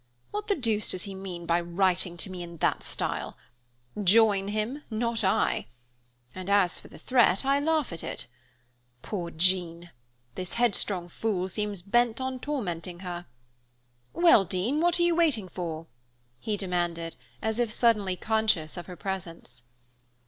"What the deuce does he mean by writing to me in that style? Join him not I! And as for the threat, I laugh at it. Poor Jean! This headstrong fool seems bent on tormenting her. Well, Dean, what are you waiting for?" he demanded, as if suddenly conscious of her presence.